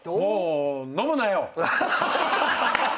「飲むなよ」